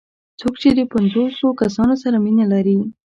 څوک چې د پنځوسو کسانو سره مینه لري.